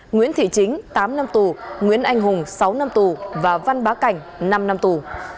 nguyễn thị chính tám năm tù nguyễn anh hùng sáu năm tù và văn bá cảnh năm năm tù